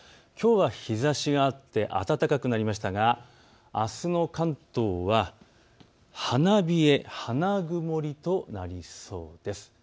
きょうは日ざしがあって暖かくなりましたがあすの関東は花冷え、花曇りとなりそうです。